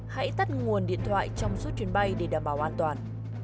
hãy tắt nguồn điện thoại trong suốt chuyến bay để đảm bảo an toàn